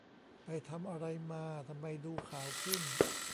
ไปทำอะไรมาทำไมดูขาวขึ้น